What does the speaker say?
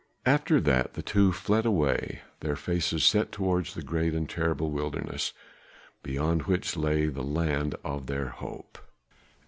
After that the two fled away, their faces set towards the great and terrible wilderness, beyond which lay the land of their hope.